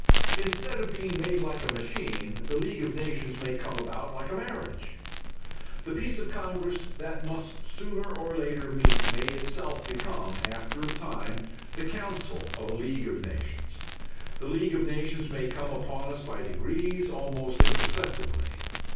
Instead of being made like a machine, the League of Nations may come about like a marriage. The Peace Congress that must sooner or later meet may itself become, after a time, the Council of a League of Nations. The League of Nations may come upon us by degrees, almost imperceptibly.